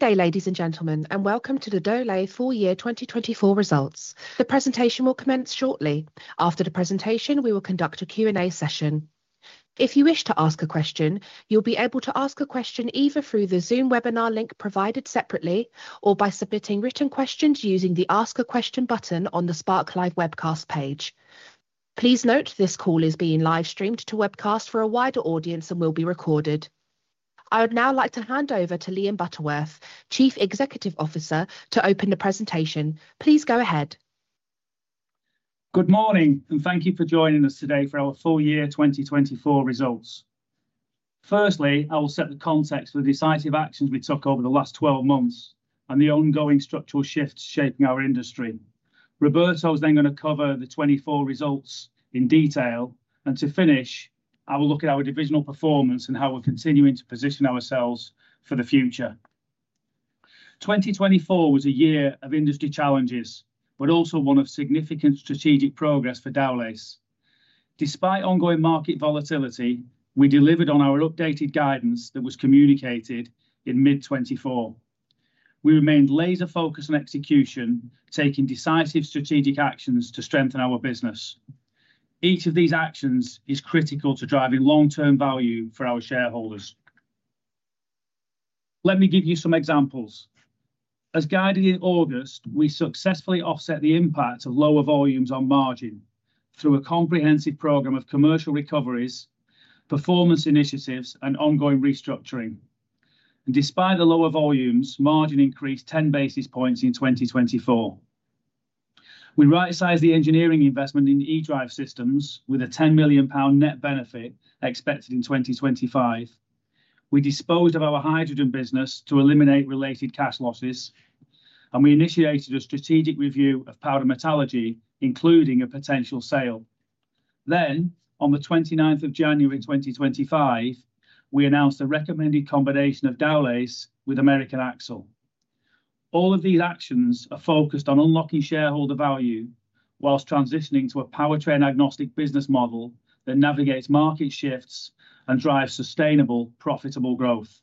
Good day, ladies and gentlemen, and welcome to the Dowlais Four Year 2024 results. The presentation will commence shortly. After the presentation, we will conduct a Q&A session. If you wish to ask a question, you'll be able to ask a question either through the Zoom webinar link provided separately or by submitting written questions using the Ask a Question button on the Spark Live webcast page. Please note this call is being live-streamed to webcast for a wider audience and will be recorded. I would now like to hand over to Liam Butterworth, Chief Executive Officer, to open the presentation. Please go ahead. Good morning, and thank you for joining us today for our full year 2024 results. Firstly, I will set the context for the decisive actions we took over the last 12 months and the ongoing structural shifts shaping our industry. Roberto is then going to cover the 2024 results in detail, and to finish, I will look at our divisional performance and how we're continuing to position ourselves for the future. 2024 was a year of industry challenges, but also one of significant strategic progress for Dowlais. Despite ongoing market volatility, we delivered on our updated guidance that was communicated in mid-2024. We remained laser-focused on execution, taking decisive strategic actions to strengthen our business. Each of these actions is critical to driving long-term value for our shareholders. Let me give you some examples. As guided in August, we successfully offset the impact of lower volumes on margin through a comprehensive program of commercial recoveries, performance initiatives, and ongoing restructuring. Despite the lower volumes, margin increased 10 basis points in 2024. We right-sized the engineering investment in eDrive systems with a 10 million pound net benefit expected in 2025. We disposed of our hydrogen business to eliminate related cash losses, and we initiated a strategic review of powder metallurgy, including a potential sale. On the 29th of January 2025, we announced a recommended combination of Dowlais with American Axle. All of these actions are focused on unlocking shareholder value whilst transitioning to a powertrain agnostic business model that navigates market shifts and drives sustainable, profitable growth.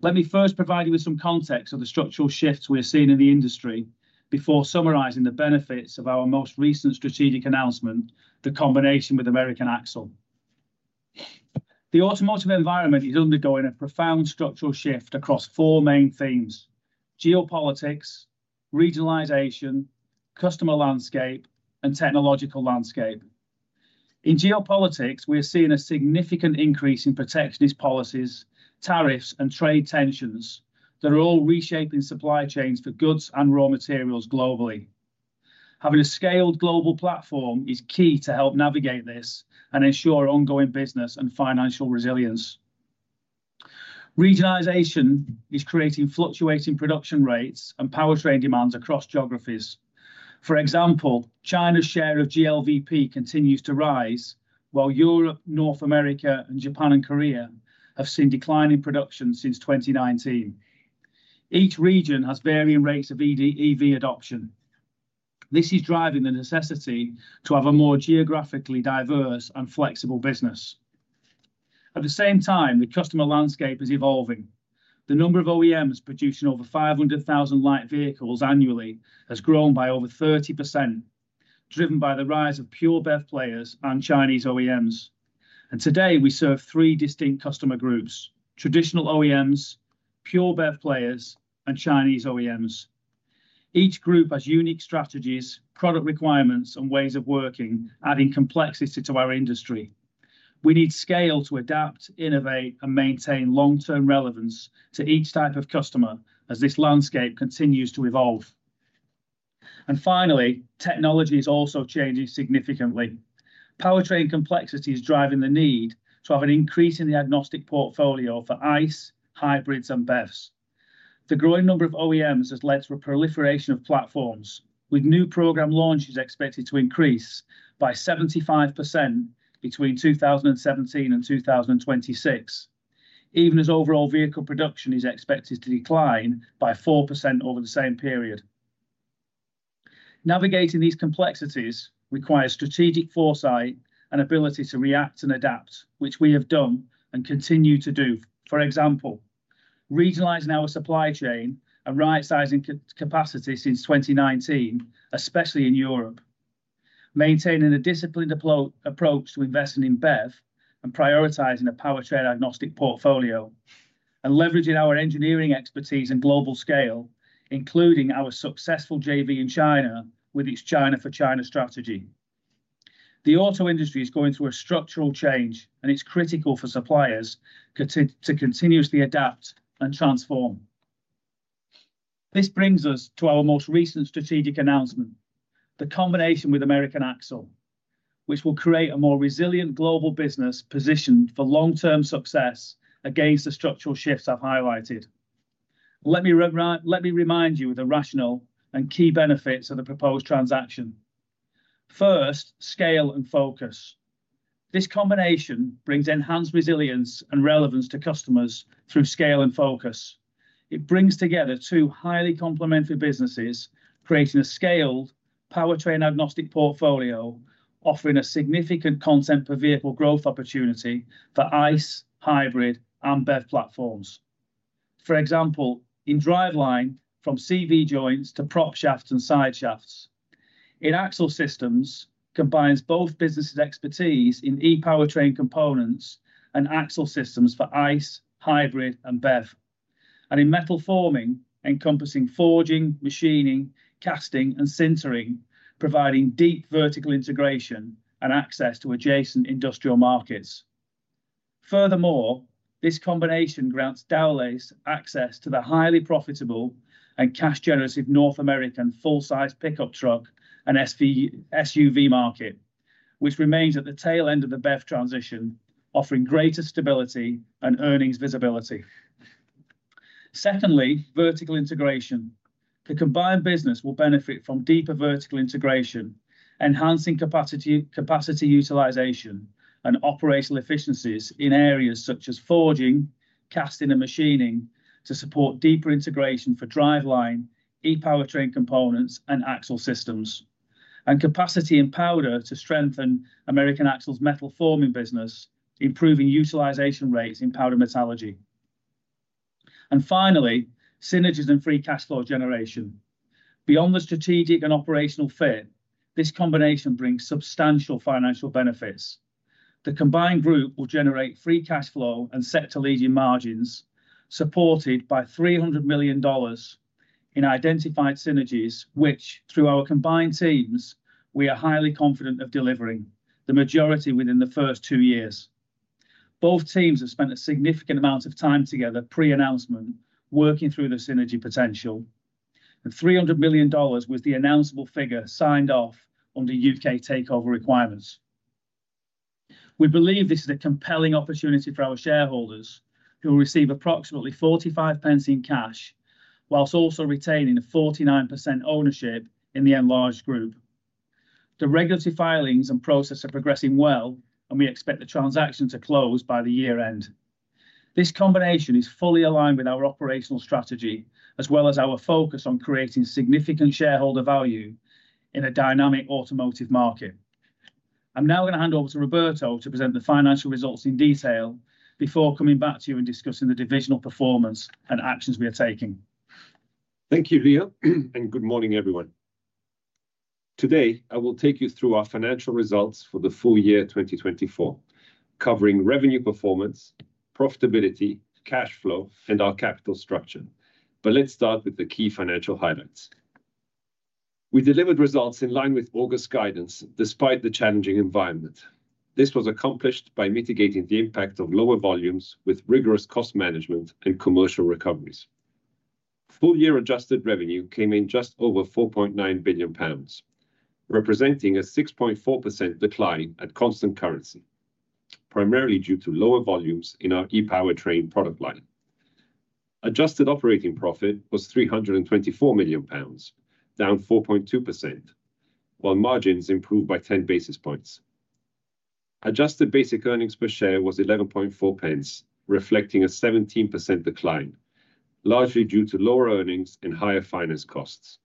Let me first provide you with some context of the structural shifts we're seeing in the industry before summarizing the benefits of our most recent strategic announcement, the combination with American Axle. The automotive environment is undergoing a profound structural shift across four main themes: geopolitics, regionalization, customer landscape, and technological landscape. In geopolitics, we are seeing a significant increase in protectionist policies, tariffs, and trade tensions that are all reshaping supply chains for goods and raw materials globally. Having a scaled global platform is key to help navigate this and ensure ongoing business and financial resilience. Regionalization is creating fluctuating production rates and powertrain demands across geographies. For example, China's share of GLVP continues to rise, while Europe, North America, Japan, and Korea have seen declining production since 2019. Each region has varying rates of EV adoption. This is driving the necessity to have a more geographically diverse and flexible business. At the same time, the customer landscape is evolving. The number of OEMs producing over 500,000 light vehicles annually has grown by over 30%, driven by the rise of pure-BEV players and Chinese OEMs. Today, we serve three distinct customer groups: traditional OEMs, pure-BEV players, and Chinese OEMs. Each group has unique strategies, product requirements, and ways of working, adding complexity to our industry. We need scale to adapt, innovate, and maintain long-term relevance to each type of customer as this landscape continues to evolve. Finally, technology is also changing significantly. Powertrain complexity is driving the need to have an increase in the agnostic portfolio for ICE, hybrids, and BEVs. The growing number of OEMs has led to a proliferation of platforms, with new program launches expected to increase by 75% between 2017 and 2026, even as overall vehicle production is expected to decline by 4% over the same period. Navigating these complexities requires strategic foresight and ability to react and adapt, which we have done and continue to do. For example, regionalizing our supply chain and right-sizing capacity since 2019, especially in Europe, maintaining a disciplined approach to investing in BEV and prioritizing a powertrain agnostic portfolio, and leveraging our engineering expertise and global scale, including our successful JV in China with its China for China strategy. The auto industry is going through a structural change, and it's critical for suppliers to continuously adapt and transform. This brings us to our most recent strategic announcement, the combination with American Axle, which will create a more resilient global business positioned for long-term success against the structural shifts I have highlighted. Let me remind you of the rationale and key benefits of the proposed transaction. First, scale and focus. This combination brings enhanced resilience and relevance to customers through scale and focus. It brings together two highly complementary businesses, creating a scaled powertrain agnostic portfolio, offering a significant content per vehicle growth opportunity for ICE, hybrid, and BEV platforms. For example, in driveline, from CV joints to prop shafts and side shafts. In axle systems, it combines both businesses' expertise in ePowerTrain components and axle systems for ICE, hybrid, and BEV, and in metal forming, encompassing forging, machining, casting, and sintering, providing deep vertical integration and access to adjacent industrial markets. Furthermore, this combination grants Dowlais access to the highly profitable and cash-generative North American full-size pickup truck and SUV market, which remains at the tail end of the BEV transition, offering greater stability and earnings visibility. Secondly, vertical integration. The combined business will benefit from deeper vertical integration, enhancing capacity utilization and operational efficiencies in areas such as forging, casting, and machining to support deeper integration for driveline, ePowerTrain components, and axle systems, and capacity in powder to strengthen American Axle's metal forming business, improving utilization rates in powder metallurgy. Finally, synergies and free cash flow generation. Beyond the strategic and operational fit, this combination brings substantial financial benefits. The combined group will generate free cash flow and set to leading margins, supported by $300 million in identified synergies, which, through our combined teams, we are highly confident of delivering the majority within the first two years. Both teams have spent a significant amount of time together pre-announcement, working through the synergy potential. $300 million was the announceable figure signed off under U.K. takeover requirements. We believe this is a compelling opportunity for our shareholders, who will receive approximately 45 pence in cash, whilst also retaining a 49% ownership in the enlarged group. The regulatory filings and process are progressing well, and we expect the transaction to close by the year end. This combination is fully aligned with our operational strategy, as well as our focus on creating significant shareholder value in a dynamic automotive market. I am now going to hand over to Roberto to present the financial results in detail before coming back to you and discussing the divisional performance and actions we are taking. Thank you, Liam, and good morning, everyone. Today, I will take you through our financial results for the full year 2024, covering revenue performance, profitability, cash flow, and our capital structure. Let's start with the key financial highlights. We delivered results in line with August guidance, despite the challenging environment. This was accomplished by mitigating the impact of lower volumes with rigorous cost management and commercial recoveries. Full year adjusted revenue came in just over 4.9 billion pounds, representing a 6.4% decline at constant currency, primarily due to lower volumes in our ePowerTrain product line. Adjusted operating profit was 324 million pounds, down 4.2%, while margins improved by 10 basis points. Adjusted basic earnings per share was 11.4, reflecting a 17% decline, largely due to lower earnings and higher finance costs.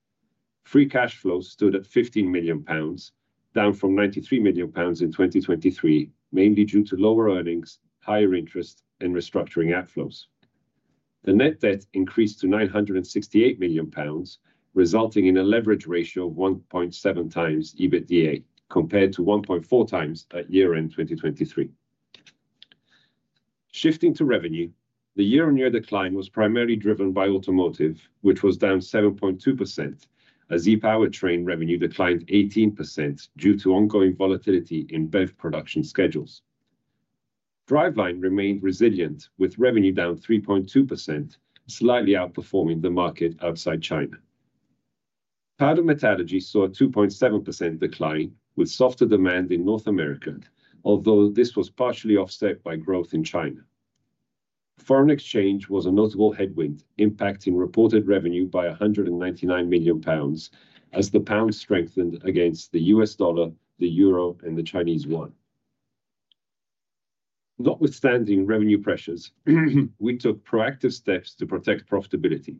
Free cash flow stood at 15 million pounds, down from 93 million pounds in 2023, mainly due to lower earnings, higher interest, and restructuring outflows. The net debt increased to 968 million pounds, resulting in a leverage ratio of 1.7 times EBITDA, compared to 1.4 times at year-end 2023. Shifting to revenue, the year-on-year decline was primarily driven by automotive, which was down 7.2%, as ePowerTrain revenue declined 18% due to ongoing volatility in BEV production schedules. Driveline remained resilient, with revenue down 3.2%, slightly outperforming the market outside China. Powder metallurgy saw a 2.7% decline, with softer demand in North America, although this was partially offset by growth in China. Foreign exchange was a notable headwind, impacting reported revenue by 199 million pounds, as the pound strengthened against the US dollar, the euro, and the Chinese yuan. Notwithstanding revenue pressures, we took proactive steps to protect profitability.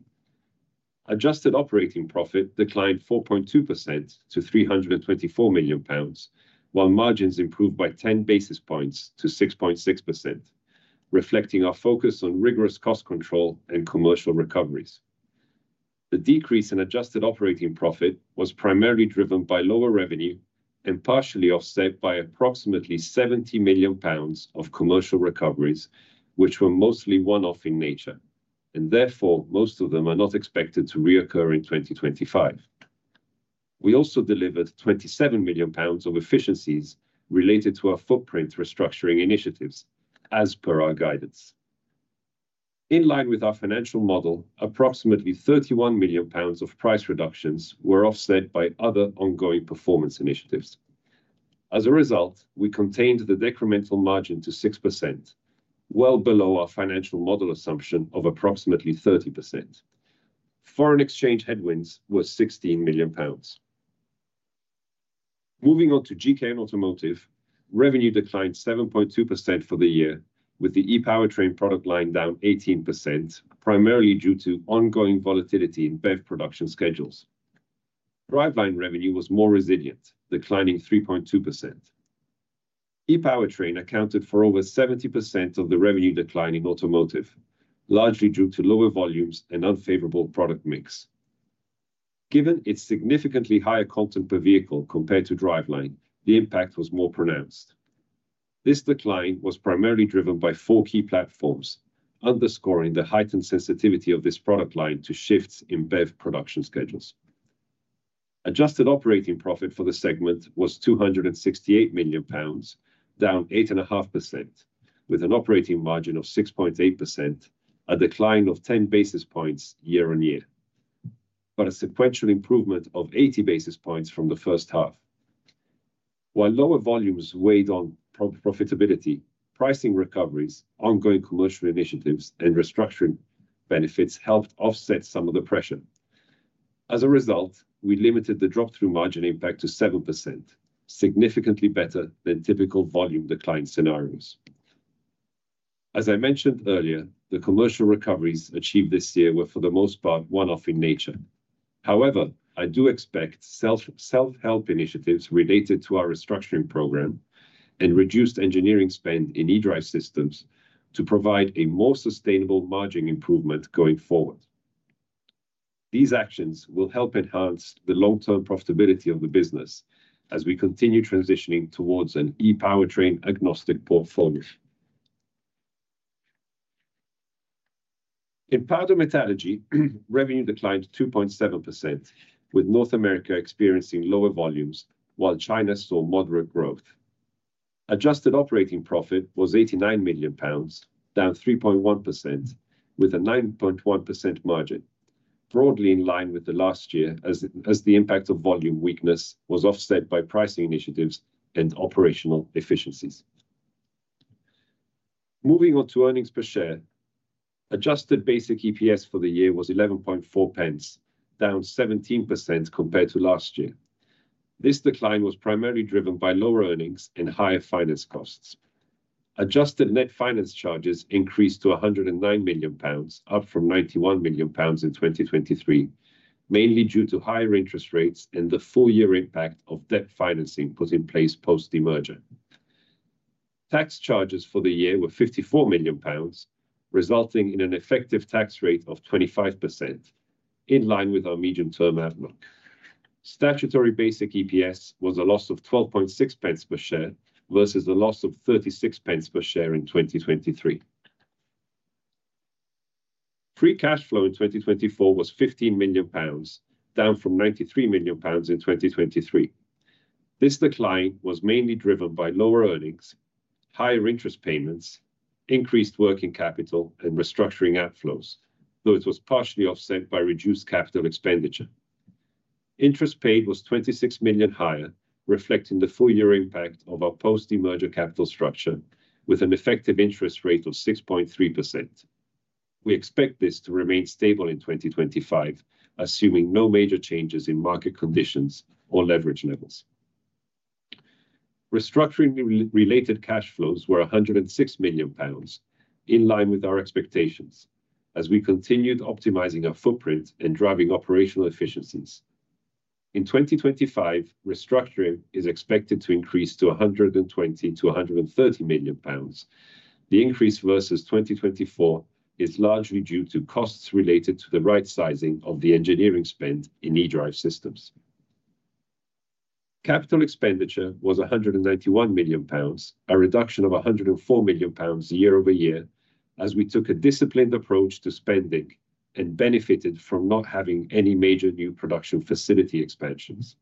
Adjusted operating profit declined 4.2% to 324 million pounds, while margins improved by 10 basis points to 6.6%, reflecting our focus on rigorous cost control and commercial recoveries. The decrease in adjusted operating profit was primarily driven by lower revenue and partially offset by approximately 70 million pounds of commercial recoveries, which were mostly one-off in nature, and therefore most of them are not expected to reoccur in 2025. We also delivered 27 million pounds of efficiencies related to our footprint restructuring initiatives, as per our guidance. In line with our financial model, approximately 31 million pounds of price reductions were offset by other ongoing performance initiatives. As a result, we contained the decremental margin to 6%, well below our financial model assumption of approximately 30%. Foreign exchange headwinds were 16 million pounds. Moving on to GKN Automotive, revenue declined 7.2% for the year, with the ePowerTrain product line down 18%, primarily due to ongoing volatility in BEV production schedules. Driveline revenue was more resilient, declining 3.2%. ePowerTrain accounted for over 70% of the revenue decline in automotive, largely due to lower volumes and unfavorable product mix. Given its significantly higher content per vehicle compared to driveline, the impact was more pronounced. This decline was primarily driven by four key platforms, underscoring the heightened sensitivity of this product line to shifts in BEV production schedules. Adjusted operating profit for the segment was 268 million pounds, down 8.5%, with an operating margin of 6.8%, a decline of 10 basis points year-on-year, but a sequential improvement of 80 basis points from the first half. While lower volumes weighed on profitability, pricing recoveries, ongoing commercial initiatives, and restructuring benefits helped offset some of the pressure. As a result, we limited the drop-through margin impact to 7%, significantly better than typical volume decline scenarios. As I mentioned earlier, the commercial recoveries achieved this year were, for the most part, one-off in nature. However, I do expect self-help initiatives related to our restructuring program and reduced engineering spend in eDrive systems to provide a more sustainable margin improvement going forward. These actions will help enhance the long-term profitability of the business as we continue transitioning towards an ePowerTrain agnostic portfolio. In powder metallurgy, revenue declined 2.7%, with North America experiencing lower volumes, while China saw moderate growth. Adjusted operating profit was 89 million pounds, down 3.1%, with a 9.1% margin, broadly in line with the last year as the impact of volume weakness was offset by pricing initiatives and operational efficiencies. Moving on to earnings per share, adjusted basic EPS for the year was 11.4, down 17% compared to last year. This decline was primarily driven by lower earnings and higher finance costs. Adjusted net finance charges increased to 109 million pounds, up from 91 million pounds in 2023, mainly due to higher interest rates and the full-year impact of debt financing put in place post-emergence. Tax charges for the year were 54 million pounds, resulting in an effective tax rate of 25%, in line with our medium-term outlook. Statutory basic EPS was a loss of 12.6 per share versus a loss of 0.36 per share in 2023. Free cash flow in 2024 was 15 million pounds, down from 93 million pounds in 2023. This decline was mainly driven by lower earnings, higher interest payments, increased working capital, and restructuring outflows, though it was partially offset by reduced capital expenditure. Interest paid was 26 million higher, reflecting the full-year impact of our post-de-merger capital structure, with an effective interest rate of 6.3%. We expect this to remain stable in 2025, assuming no major changes in market conditions or leverage levels. Restructuring-related cash flows were 106 million pounds, in line with our expectations, as we continued optimizing our footprint and driving operational efficiencies. In 2025, restructuring is expected to increase to 120-130 million pounds. The increase versus 2024 is largely due to costs related to the right sizing of the engineering spend in eDrive systems. Capital expenditure was 191 million pounds, a reduction of 104 million pounds year-over-year, as we took a disciplined approach to spending and benefited from not having any major new production facility expansions.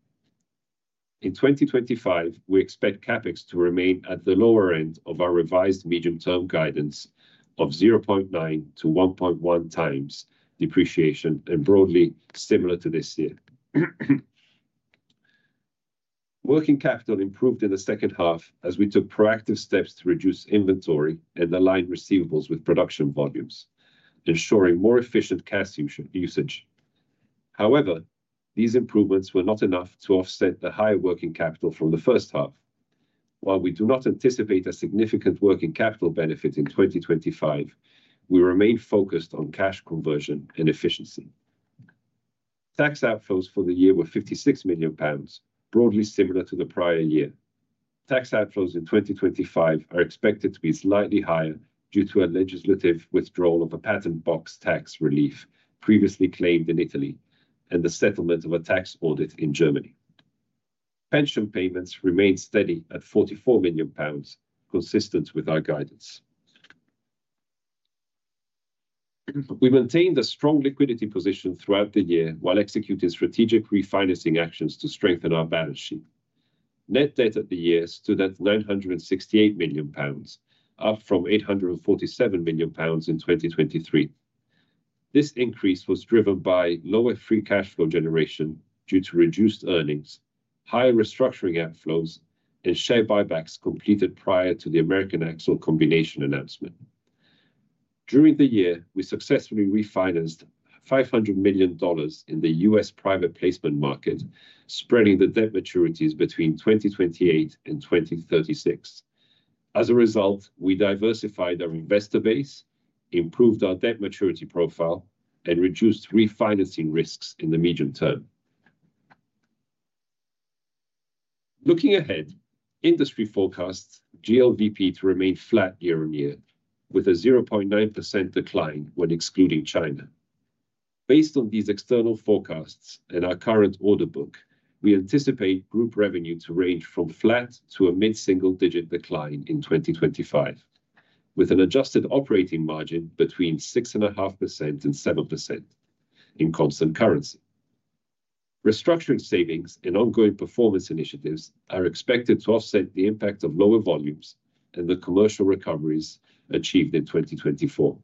In 2025, we expect CapEx to remain at the lower end of our revised medium-term guidance of 0.9-1.1 times depreciation and broadly similar to this year. Working capital improved in the second half as we took proactive steps to reduce inventory and align receivables with production volumes, ensuring more efficient cash usage. However, these improvements were not enough to offset the high working capital from the first half. While we do not anticipate a significant working capital benefit in 2025, we remain focused on cash conversion and efficiency. Tax outflows for the year were 56 million pounds, broadly similar to the prior year. Tax outflows in 2025 are expected to be slightly higher due to a legislative withdrawal of a patent box tax relief previously claimed in Italy and the settlement of a tax audit in Germany. Pension payments remained steady at 44 million pounds, consistent with our guidance. We maintained a strong liquidity position throughout the year while executing strategic refinancing actions to strengthen our balance sheet. Net debt at the year stood at 968 million pounds, up from 847 million pounds in 2023. This increase was driven by lower free cash flow generation due to reduced earnings, higher restructuring outflows, and share buybacks completed prior to the American Axle combination announcement. During the year, we successfully refinanced $500 million in the US private placement market, spreading the debt maturities between 2028 and 2036. As a result, we diversified our investor base, improved our debt maturity profile, and reduced refinancing risks in the medium term. Looking ahead, industry forecasts GLVP to remain flat year-on-year, with a 0.9% decline when excluding China. Based on these external forecasts and our current order book, we anticipate group revenue to range from flat to a mid-single-digit decline in 2025, with an adjusted operating margin between 6.5% and 7% in constant currency. Restructuring savings and ongoing performance initiatives are expected to offset the impact of lower volumes and the commercial recoveries achieved in 2024.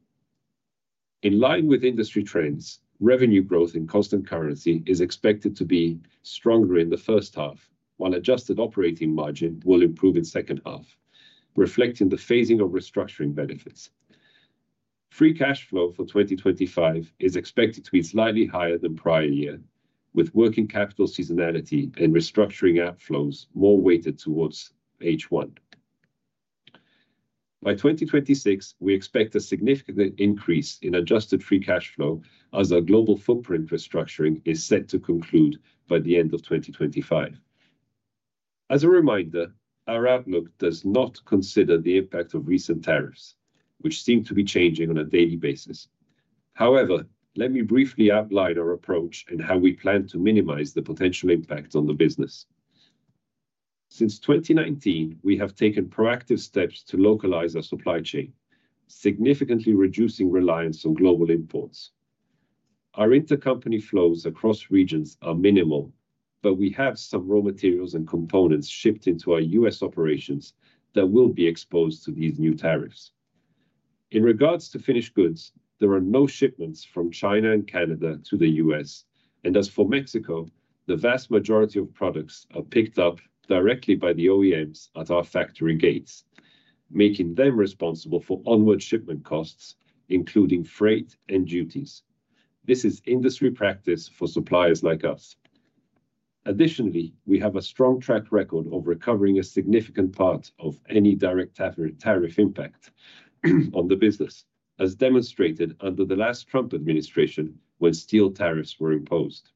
In line with industry trends, revenue growth in constant currency is expected to be stronger in the first half, while adjusted operating margin will improve in the second half, reflecting the phasing of restructuring benefits. Free cash flow for 2025 is expected to be slightly higher than prior year, with working capital seasonality and restructuring outflows more weighted towards H1. By 2026, we expect a significant increase in adjusted free cash flow as our global footprint restructuring is set to conclude by the end of 2025. As a reminder, our outlook does not consider the impact of recent tariffs, which seem to be changing on a daily basis. However, let me briefly outline our approach and how we plan to minimize the potential impact on the business. Since 2019, we have taken proactive steps to localize our supply chain, significantly reducing reliance on global imports. Our intercompany flows across regions are minimal, but we have some raw materials and components shipped into our US operations that will be exposed to these new tariffs. In regards to finished goods, there are no shipments from China and Canada to the US, and as for Mexico, the vast majority of products are picked up directly by the OEMs at our factory gates, making them responsible for onward shipment costs, including freight and duties. This is industry practice for suppliers like us. Additionally, we have a strong track record of recovering a significant part of any direct tariff impact on the business, as demonstrated under the last Trump administration when steel tariffs were imposed.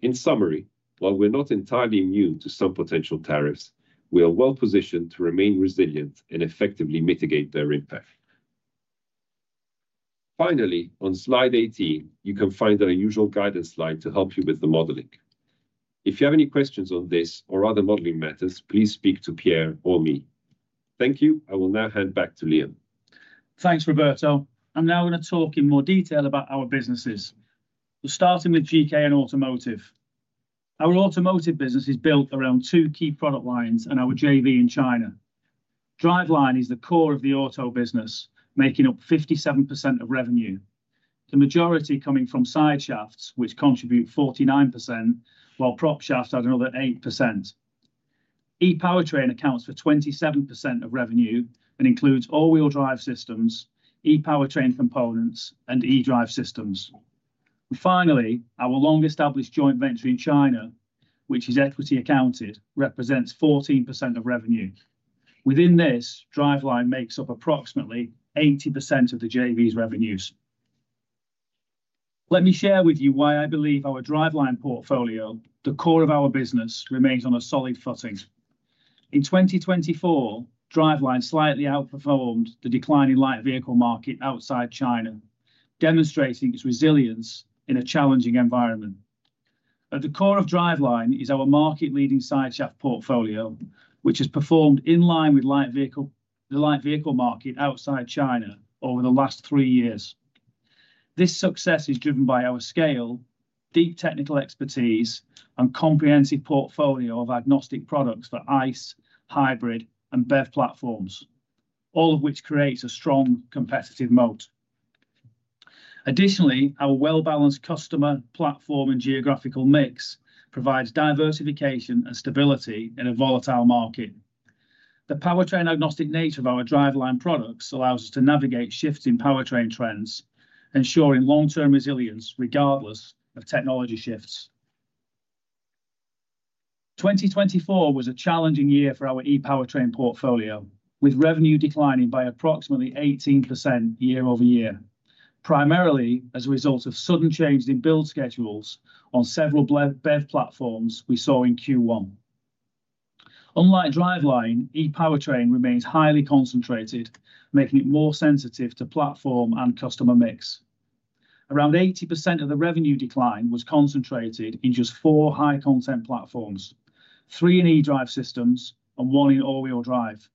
In summary, while we're not entirely immune to some potential tariffs, we are well positioned to remain resilient and effectively mitigate their impact. Finally, on slide 18, you can find our usual guidance line to help you with the modeling. If you have any questions on this or other modeling matters, please speak to Pier or me. Thank you. I will now hand back to Liam. Thanks, Roberto. I'm now going to talk in more detail about our businesses. We're starting with GKN Automotive. Our automotive business is built around two key product lines and our JV in China. Driveline is the core of the auto business, making up 57% of revenue, the majority coming from side shafts, which contribute 49%, while prop shafts add another 8%. ePowerTrain accounts for 27% of revenue and includes all-wheel drive systems, ePowerTrain components, and eDrive systems. Finally, our long-established joint venture in China, which is equity accounted, represents 14% of revenue. Within this, Driveline makes up approximately 80% of the JV's revenues. Let me share with you why I believe our Driveline portfolio, the core of our business, remains on a solid footing. In 2024, Driveline slightly outperformed the declining light vehicle market outside China, demonstrating its resilience in a challenging environment. At the core of Driveline is our market-leading side shaft portfolio, which has performed in line with the light vehicle market outside China over the last three years. This success is driven by our scale, deep technical expertise, and comprehensive portfolio of agnostic products for ICE, hybrid, and BEV platforms, all of which creates a strong competitive moat. Additionally, our well-balanced customer platform and geographical mix provides diversification and stability in a volatile market. The powertrain agnostic nature of our Driveline products allows us to navigate shifts in powertrain trends, ensuring long-term resilience regardless of technology shifts. 2024 was a challenging year for our ePowerTrain portfolio, with revenue declining by approximately 18% year-over-year, primarily as a result of sudden changes in build schedules on several BEV platforms we saw in Q1. Unlike Driveline, ePowerTrain remains highly concentrated, making it more sensitive to platform and customer mix. Around 80% of the revenue decline was concentrated in just four high-content platforms, three in eDrive systems and one in all-wheel drive.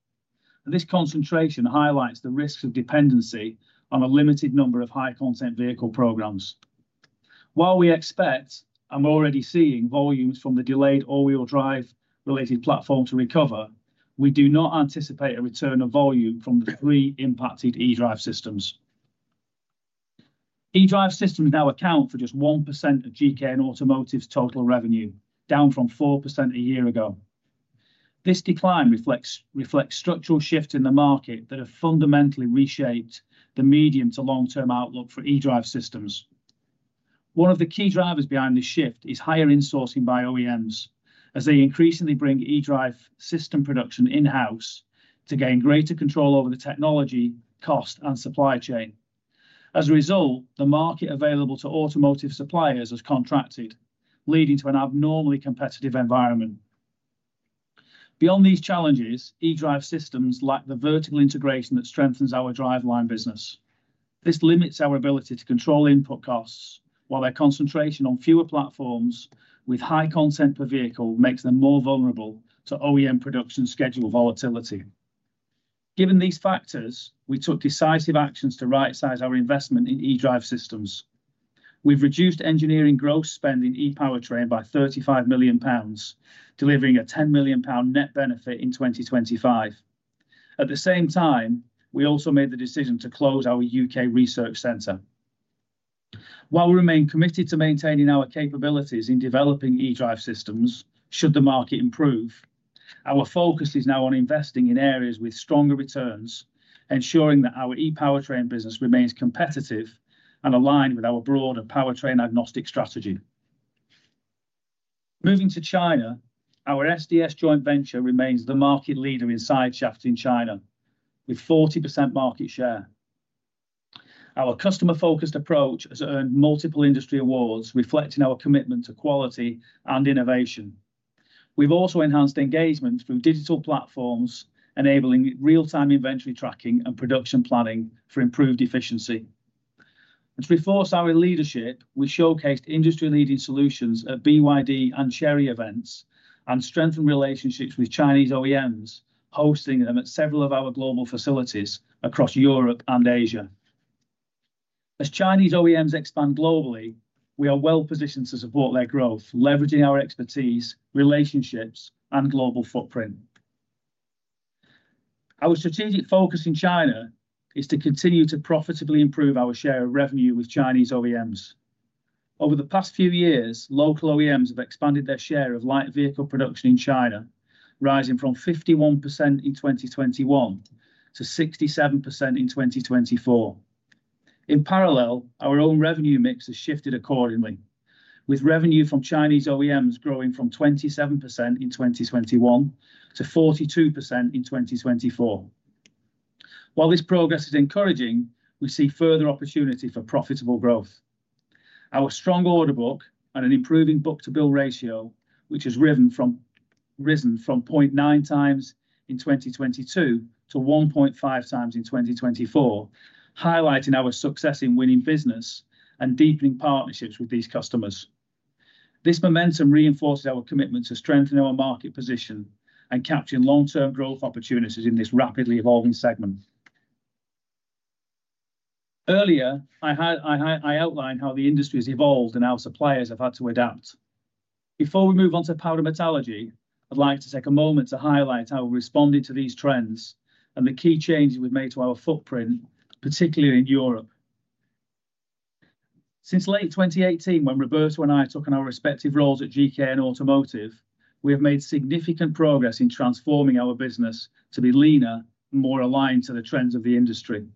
This concentration highlights the risks of dependency on a limited number of high-content vehicle programs. While we expect and we're already seeing volumes from the delayed all-wheel drive-related platform to recover, we do not anticipate a return of volume from the three impacted eDrive systems. eDrive systems now account for just 1% of GKN Automotive's total revenue, down from 4% a year ago. This decline reflects structural shifts in the market that have fundamentally reshaped the medium- to long-term outlook for eDrive systems. One of the key drivers behind this shift is higher insourcing by OEMs, as they increasingly bring eDrive system production in-house to gain greater control over the technology, cost, and supply chain. As a result, the market available to automotive suppliers has contracted, leading to an abnormally competitive environment. Beyond these challenges, eDrive systems lack the vertical integration that strengthens our Driveline business. This limits our ability to control input costs, while their concentration on fewer platforms with high content per vehicle makes them more vulnerable to OEM production schedule volatility. Given these factors, we took decisive actions to right-size our investment in eDrive systems. We've reduced engineering gross spend in ePowerTrain by 35 million pounds, delivering a 10 million pound net benefit in 2025. At the same time, we also made the decision to close our U.K. research center. While we remain committed to maintaining our capabilities in developing eDrive systems, should the market improve, our focus is now on investing in areas with stronger returns, ensuring that our ePowerTrain business remains competitive and aligned with our broader powertrain agnostic strategy. Moving to China, our SDS joint venture remains the market leader in side shaft in China, with 40% market share. Our customer-focused approach has earned multiple industry awards, reflecting our commitment to quality and innovation. We've also enhanced engagement through digital platforms, enabling real-time inventory tracking and production planning for improved efficiency. To reinforce our leadership, we showcased industry-leading solutions at BYD and Chery events and strengthened relationships with Chinese OEMs, hosting them at several of our global facilities across Europe and Asia. As Chinese OEMs expand globally, we are well positioned to support their growth, leveraging our expertise, relationships, and global footprint. Our strategic focus in China is to continue to profitably improve our share of revenue with Chinese OEMs. Over the past few years, local OEMs have expanded their share of light vehicle production in China, rising from 51% in 2021 to 67% in 2024. In parallel, our own revenue mix has shifted accordingly, with revenue from Chinese OEMs growing from 27% in 2021 to 42% in 2024. While this progress is encouraging, we see further opportunity for profitable growth. Our strong order book and an improving book-to-bill ratio, which has risen from 0.9 times in 2022 to 1.5 times in 2024, highlight our success in winning business and deepening partnerships with these customers. This momentum reinforces our commitment to strengthening our market position and capturing long-term growth opportunities in this rapidly evolving segment. Earlier, I outlined how the industry has evolved and how suppliers have had to adapt. Before we move on to powder metallurgy, I'd like to take a moment to highlight how we're responding to these trends and the key changes we've made to our footprint, particularly in Europe. Since late 2018, when Roberto and I took on our respective roles at GKN Automotive, we have made significant progress in transforming our business to be leaner and more aligned to the trends of the industry.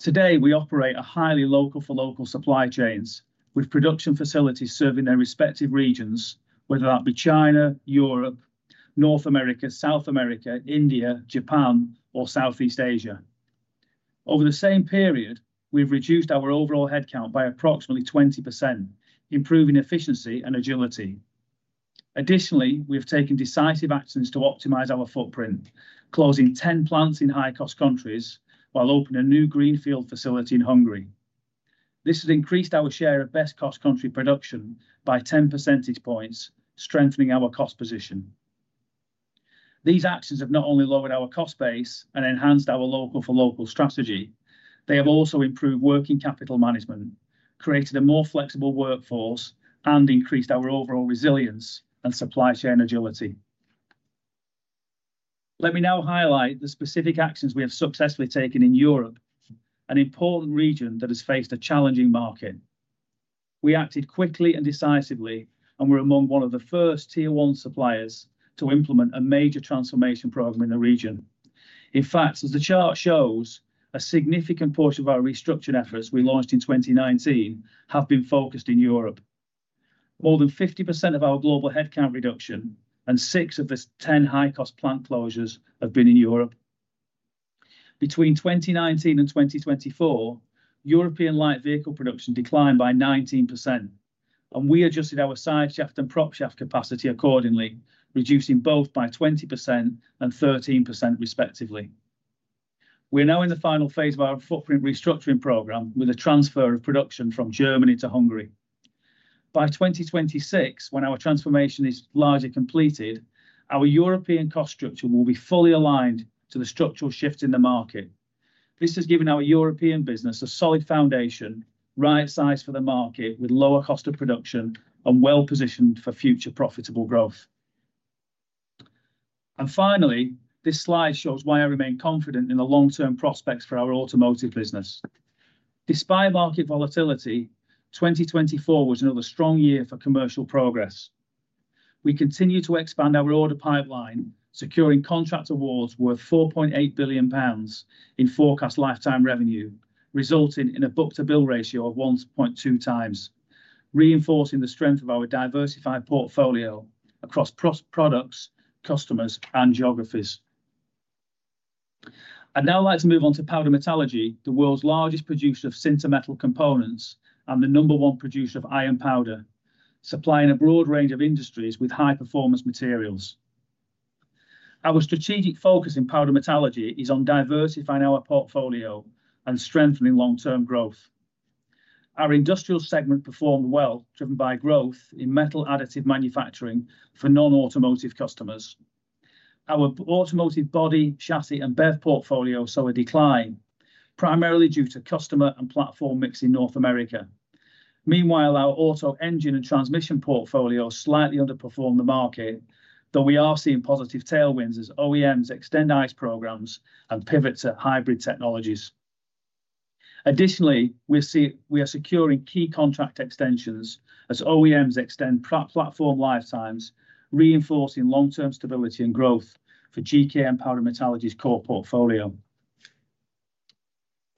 Today, we operate a highly local-for-local supply chain, with production facilities serving their respective regions, whether that be China, Europe, North America, South America, India, Japan, or Southeast Asia. Over the same period, we've reduced our overall headcount by approximately 20%, improving efficiency and agility. Additionally, we have taken decisive actions to optimize our footprint, closing 10 plants in high-cost countries while opening a new greenfield facility in Hungary. This has increased our share of best-cost country production by 10 percentage points, strengthening our cost position. These actions have not only lowered our cost base and enhanced our local-for-local strategy, they have also improved working capital management, created a more flexible workforce, and increased our overall resilience and supply chain agility. Let me now highlight the specific actions we have successfully taken in Europe, an important region that has faced a challenging market. We acted quickly and decisively and were among one of the first tier-one suppliers to implement a major transformation program in the region. In fact, as the chart shows, a significant portion of our restructuring efforts we launched in 2019 have been focused in Europe. More than 50% of our global headcount reduction and 6 of the 10 high-cost plant closures have been in Europe. Between 2019 and 2024, European light vehicle production declined by 19%, and we adjusted our side shaft and prop shaft capacity accordingly, reducing both by 20% and 13%, respectively. We're now in the final phase of our footprint restructuring program with a transfer of production from Germany to Hungary. By 2026, when our transformation is largely completed, our European cost structure will be fully aligned to the structural shift in the market. This has given our European business a solid foundation, right-sized for the market, with lower cost of production and well positioned for future profitable growth. Finally, this slide shows why I remain confident in the long-term prospects for our automotive business. Despite market volatility, 2024 was another strong year for commercial progress. We continue to expand our order pipeline, securing contract awards worth 4.8 billion pounds in forecast lifetime revenue, resulting in a book-to-bill ratio of 1.2 times, reinforcing the strength of our diversified portfolio across products, customers, and geographies. I'd now like to move on to powder metallurgy, the world's largest producer of sinter metal components and the number one producer of iron powder, supplying a broad range of industries with high-performance materials. Our strategic focus in powder metallurgy is on diversifying our portfolio and strengthening long-term growth. Our industrial segment performed well, driven by growth in metal additive manufacturing for non-automotive customers. Our automotive body, chassis, and BEV portfolio saw a decline, primarily due to customer and platform mix in North America. Meanwhile, our auto engine and transmission portfolio slightly underperformed the market, though we are seeing positive tailwinds as OEMs extend ICE programs and pivot to hybrid technologies. Additionally, we are securing key contract extensions as OEMs extend platform lifetimes, reinforcing long-term stability and growth for GKN Powder Metallurgy's core portfolio.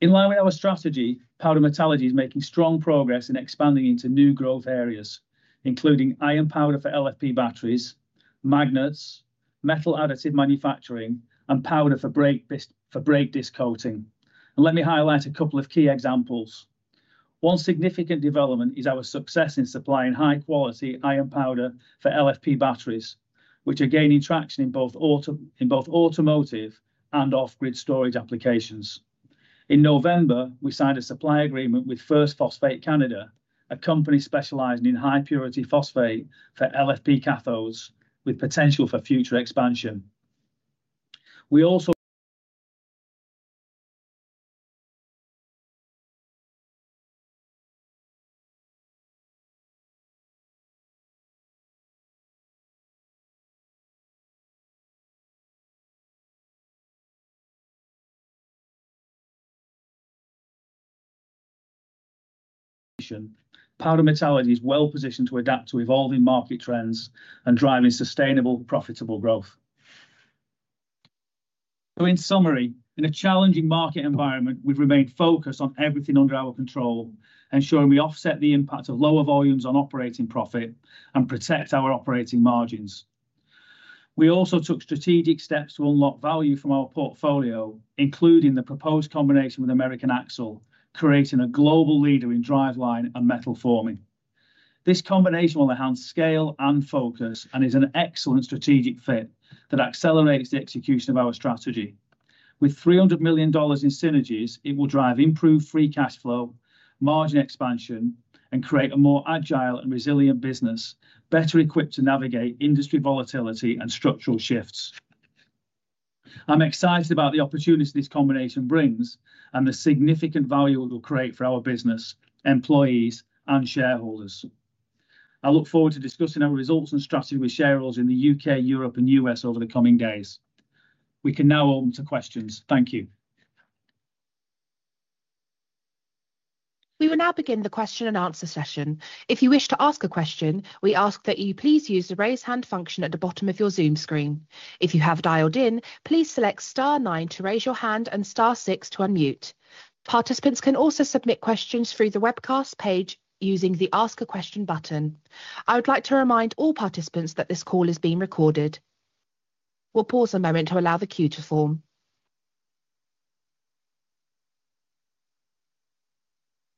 In line with our strategy, powder metallurgy is making strong progress in expanding into new growth areas, including iron powder for LFP batteries, magnets, metal additive manufacturing, and powder for brake disc coating. Let me highlight a couple of key examples. One significant development is our success in supplying high-quality iron powder for LFP batteries, which are gaining traction in both automotive and off-grid storage applications. In November, we signed a supply agreement with First Phosphate Canada, a company specialized in high-purity phosphate for LFP cathodes, with potential for future expansion. We also. Powder metallurgy is well positioned to adapt to evolving market trends and driving sustainable, profitable growth. In summary, in a challenging market environment, we've remained focused on everything under our control, ensuring we offset the impact of lower volumes on operating profit and protect our operating margins. We also took strategic steps to unlock value from our portfolio, including the proposed combination with American Axle, creating a global leader in Driveline and metal forming. This combination will enhance scale and focus and is an excellent strategic fit that accelerates the execution of our strategy. With $300 million in synergies, it will drive improved free cash flow, margin expansion, and create a more agile and resilient business, better equipped to navigate industry volatility and structural shifts. I'm excited about the opportunities this combination brings and the significant value it will create for our business, employees, and shareholders. I look forward to discussing our results and strategy with shareholders in the U.K., Europe, and U.S. over the coming days. We can now open to questions. Thank you. We will now begin the question and answer session. If you wish to ask a question, we ask that you please use the raise hand function at the bottom of your Zoom screen. If you have dialed in, please select star nine to raise your hand and star six to unmute. Participants can also submit questions through the webcast page using the ask a question button. I would like to remind all participants that this call is being recorded. We'll pause a moment to allow the queue to form.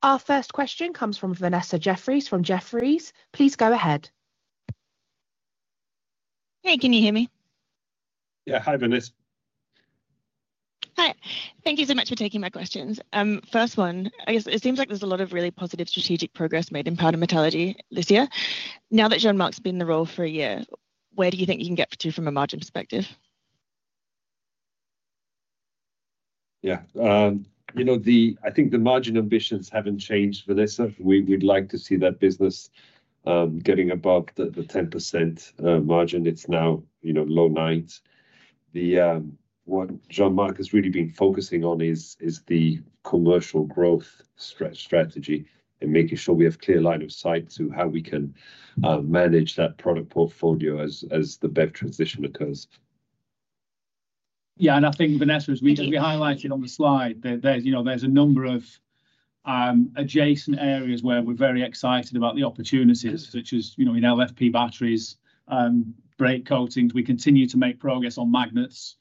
Our first question comes from Vanessa Jeffriess from Jefferies. Please go ahead. Hey, can you hear me? Yeah, hi, Vanessa. Hi. Thank you so much for taking my questions. First one, I guess it seems like there's a lot of really positive strategic progress made in powder metallurgy this year. Now that Jean-Marc's been in the role for a year, where do you think you can get to from a margin perspective? Yeah, you know, I think the margin ambitions haven't changed for this. We'd like to see that business getting above the 10% margin. It's now low nines. What Jean-Marc has really been focusing on is the commercial growth strategy and making sure we have a clear line of sight to how we can manage that product portfolio as the BEV transition occurs. Yeah, and I think, Vanessa, as we highlighted on the slide, there's a number of adjacent areas where we're very excited about the opportunities, such as in LFP batteries, brake coatings. We continue to make progress on magnets.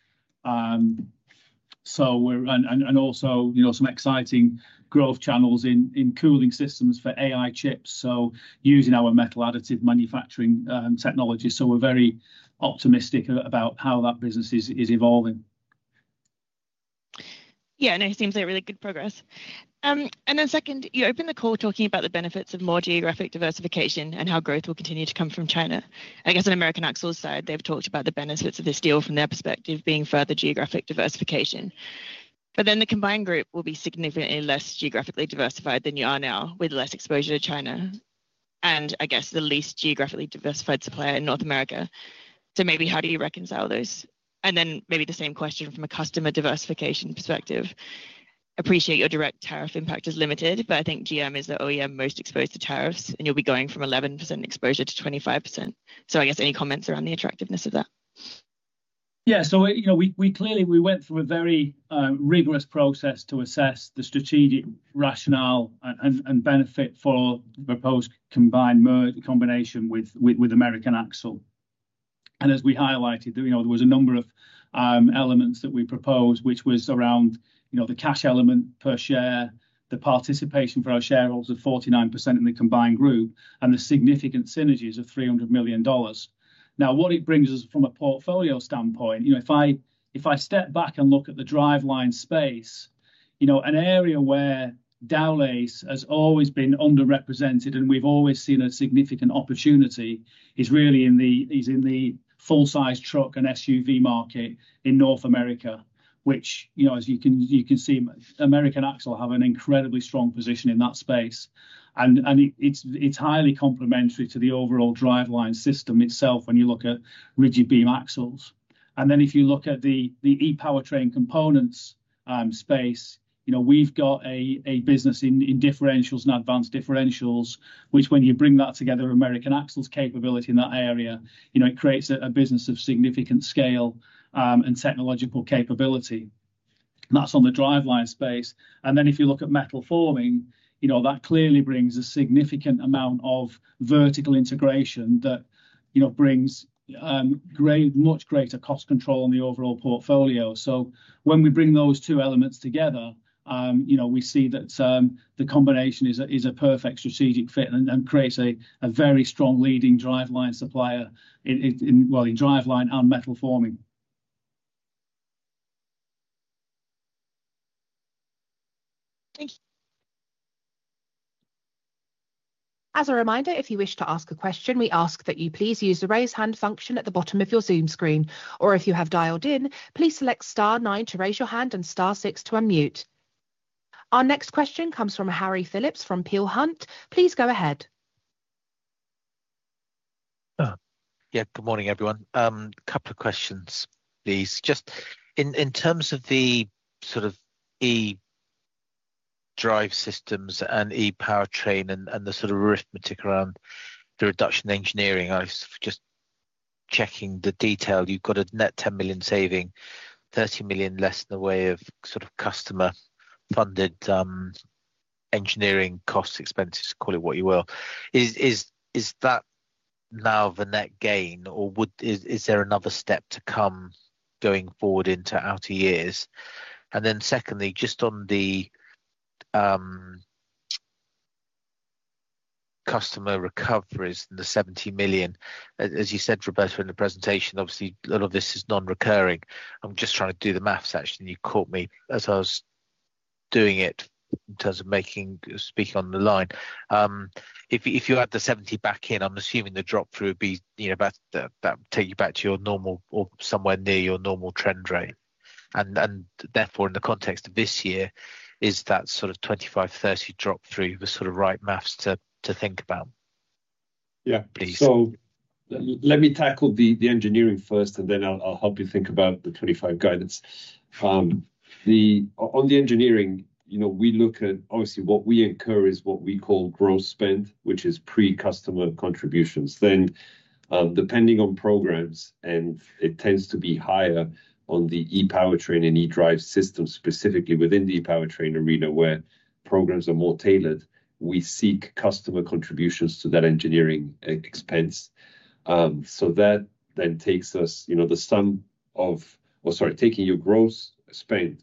Also, some exciting growth channels in cooling systems for AI chips, using our metal additive manufacturing technology. We are very optimistic about how that business is evolving. Yeah, it seems like really good progress. Second, you opened the call talking about the benefits of more geographic diversification and how growth will continue to come from China. I guess on American Axle's side, they've talked about the benefits of this deal from their perspective being further geographic diversification. The combined group will be significantly less geographically diversified than you are now, with less exposure to China and, I guess, the least geographically diversified supplier in North America. Maybe how do you reconcile those? Maybe the same question from a customer diversification perspective. Appreciate your direct tariff impact is limited, but I think GM is the OEM most exposed to tariffs, and you'll be going from 11% exposure to 25%. I guess any comments around the attractiveness of that? Yeah, we clearly went through a very rigorous process to assess the strategic rationale and benefit for the proposed combined merger combination with American Axle. As we highlighted, there was a number of elements that we proposed, which was around the cash element per share, the participation for our shareholders of 49% in the Combined Group, and the significant synergies of $300 million. Now, what it brings us from a portfolio standpoint, if I step back and look at the Driveline space, an area where Dowlais has always been underrepresented and we've always seen a significant opportunity is really in the full-size truck and SUV market in North America, which, as you can see, American Axle have an incredibly strong position in that space. It's highly complementary to the overall Driveline system itself when you look at rigid beam axles. If you look at the ePowerTrain components space, we've got a business in differentials and advanced differentials, which when you bring that together, American Axle's capability in that area, it creates a business of significant scale and technological capability. That is on the Driveline space. If you look at metal forming, that clearly brings a significant amount of vertical integration that brings much greater cost control on the overall portfolio. When we bring those two elements together, we see that the combination is a perfect strategic fit and creates a very strong leading Driveline supplier, in Driveline and metal forming. Thank you. As a reminder, if you wish to ask a question, we ask that you please use the raise hand function at the bottom of your Zoom screen. If you have dialed in, please select star nine to raise your hand and star six to unmute. Our next question comes from Harry Phillips from Peel Hunt. Please go ahead. Yeah, good morning, everyone. A couple of questions, please. Just in terms of the sort of e-Drive systems and ePowerTrain and the sort of arithmetic around the reduction engineering, I was just checking the detail. You have got a net $10 million saving, $30 million less in the way of sort of customer-funded engineering cost expenses, call it what you will. Is that now the net gain, or is there another step to come going forward into outer years? Secondly, just on the customer recoveries and the $70 million, as you said, Roberto, in the presentation, obviously, a lot of this is non-recurring. I am just trying to do the maths, actually. You caught me as I was doing it in terms of speaking on the line. If you add the 70 back in, I'm assuming the drop-through would be that would take you back to your normal or somewhere near your normal trend rate. Therefore, in the context of this year, is that sort of 25-30 drop-through the sort of right maths to think about? Yeah, let me tackle the engineering first, and then I'll help you think about the 25 guidance. On the engineering, we look at, obviously, what we incur is what we call gross spend, which is pre-customer contributions. Then, depending on programs, and it tends to be higher on the ePowerTrain and e-Drive Systems, specifically within the ePowerTrain arena where programs are more tailored, we seek customer contributions to that engineering expense. That then takes us the sum of, or sorry, taking your gross spend,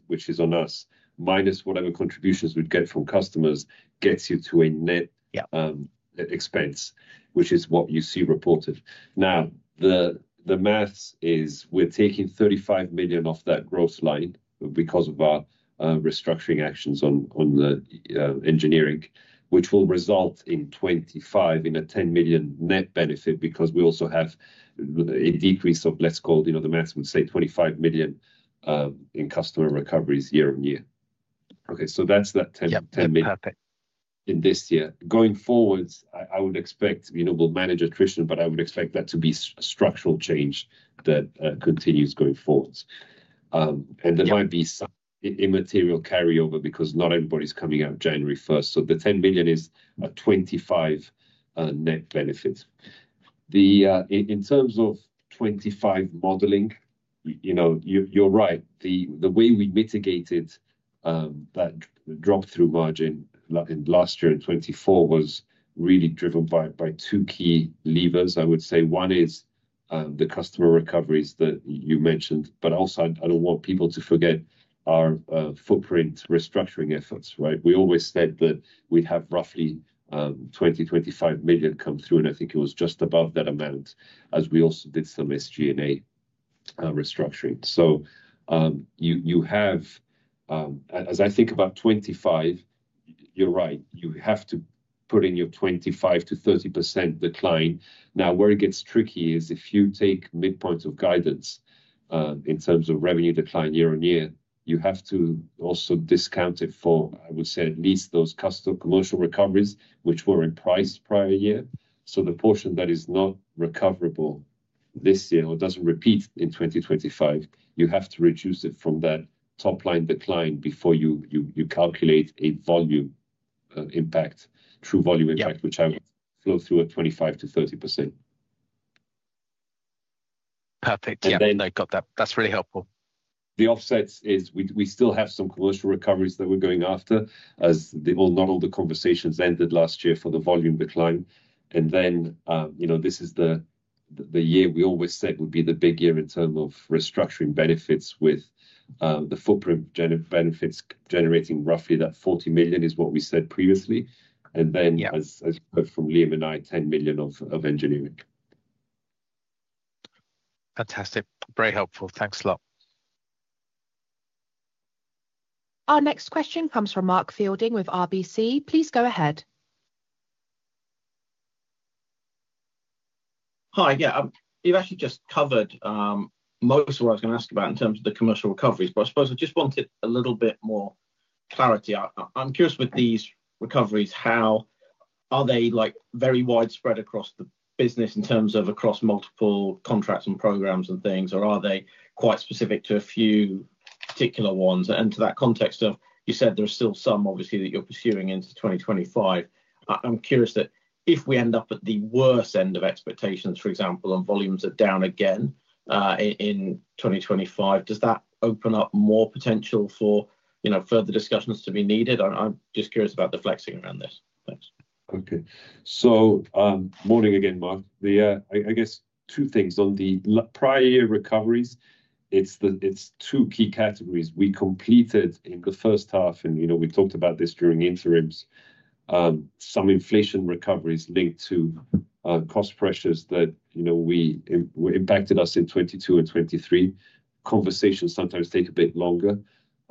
which is on us, minus whatever contributions we'd get from customers, gets you to a net expense, which is what you see reported. Now, the maths is we're taking $35 million off that gross line because of our restructuring actions on the engineering, which will result in $25 million in a $10 million net benefit because we also have a decrease of, let's call it, the maths would say $25 million in customer recoveries year on year. Okay, so that's that $10 million in this year. Going forwards, I would expect we'll manage attrition, but I would expect that to be a structural change that continues going forwards. There might be some immaterial carryover because not everybody's coming out January 1. The $10 million is a $25 million net benefit. In terms of 2025 modeling, you're right. The way we mitigated that drop-through margin last year in 2024 was really driven by two key levers, I would say. One is the customer recoveries that you mentioned, but also, I don't want people to forget our footprint restructuring efforts, right? We always said that we'd have roughly $20 million-$25 million come through, and I think it was just above that amount as we also did some SG&A restructuring. So you have, as I think about 2025, you're right, you have to put in your 25%-30% decline. Now, where it gets tricky is if you take midpoint of guidance in terms of revenue decline year on year, you have to also discount it for, I would say, at least those customer commercial recoveries, which were in price prior year. The portion that is not recoverable this year or does not repeat in 2025, you have to reduce it from that top line decline before you calculate a volume impact, true volume impact, which I would flow through at 25%-30%. Perfect. Yeah. I got that. That is really helpful. The offsets is we still have some commercial recoveries that we are going after as not all the conversations ended last year for the volume decline. This is the year we always said would be the big year in terms of restructuring benefits with the footprint benefits generating roughly that $40 million is what we said previously. As you heard from Liam and I, $10 million of engineering. Fantastic. Very helpful. Thanks a lot. Our next question comes from Mark Fielding with RBC. Please go ahead. Hi. Yeah, you've actually just covered most of what I was going to ask about in terms of the commercial recoveries, but I suppose I just wanted a little bit more clarity. I'm curious with these recoveries, how are they very widespread across the business in terms of across multiple contracts and programs and things, or are they quite specific to a few particular ones? To that context of you said there are still some, obviously, that you're pursuing into 2025. I'm curious that if we end up at the worst end of expectations, for example, and volumes are down again in 2025, does that open up more potential for further discussions to be needed? I'm just curious about the flexing around this. Thanks. Okay. Morning again, Mark. I guess two things. On the prior year recoveries, it's two key categories. We completed in the first half, and we talked about this during interims, some inflation recoveries linked to cost pressures that impacted us in 2022 and 2023. Conversations sometimes take a bit longer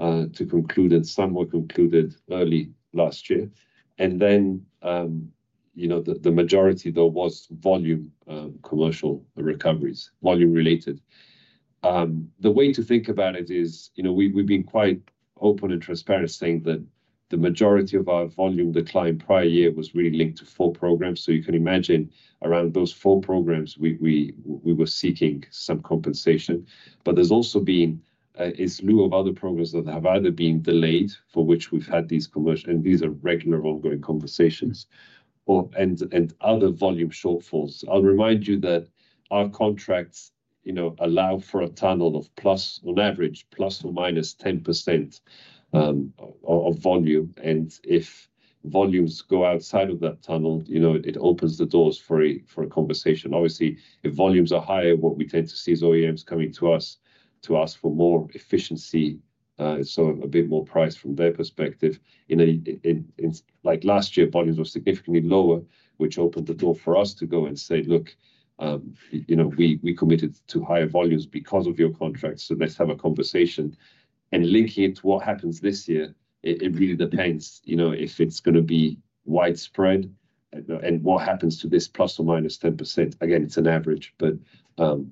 to conclude, and some were concluded early last year. The majority, though, was volume commercial recoveries, volume-related. The way to think about it is we've been quite open and transparent saying that the majority of our volume decline prior year was really linked to four programs. You can imagine around those four programs, we were seeking some compensation. There has also been, in lieu of other programs that have either been delayed, for which we've had these commercial, and these are regular ongoing conversations, and other volume shortfalls. I'll remind you that our contracts allow for a tunnel of, on average, plus or minus 10% of volume. If volumes go outside of that tunnel, it opens the doors for a conversation. Obviously, if volumes are higher, what we tend to see is OEMs coming to us to ask for more efficiency, so a bit more price from their perspective. Like last year, volumes were significantly lower, which opened the door for us to go and say, "Look, we committed to higher volumes because of your contracts, so let's have a conversation." Linking it to what happens this year, it really depends if it's going to be widespread and what happens to this plus or minus 10%. Again, it's an average, but